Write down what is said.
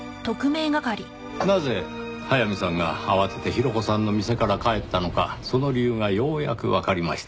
なぜ速水さんが慌ててヒロコさんの店から帰ったのかその理由がようやくわかりました。